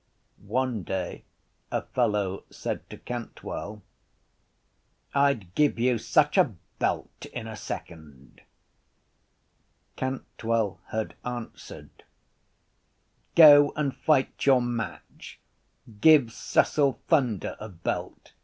One day a fellow said to Cantwell: —I’d give you such a belt in a second. Cantwell had answered: —Go and fight your match. Give Cecil Thunder a belt.